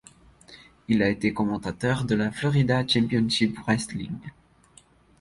Il a été commentateur de la Florida Championship Wrestling.